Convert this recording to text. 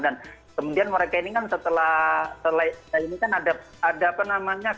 dan kemudian mereka ini kan setelah ini kan ada apa namanya